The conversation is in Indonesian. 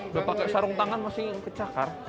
udah pakai sarung tangan masih ke cakar